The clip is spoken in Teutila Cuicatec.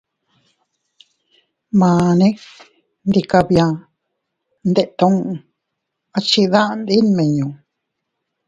Mane ndi kabia dindetuu, a chidandi nmiñu.